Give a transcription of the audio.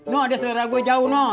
nuh ada saudara gua jauh noh